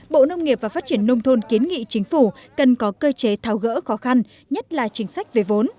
bộ nông nghiệp và phát triển nông thôn kiến nghị chính phủ cần có cơ chế tháo gỡ khó khăn nhất là chính sách về vốn